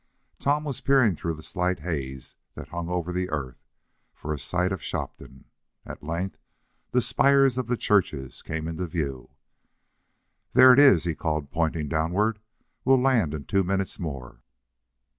Tom was peering through the slight haze that hung over the earth, for a sight of Shopton. At length the spires of the churches came into view. "There it is," he called, pointing downward. "We'll land in two minutes more."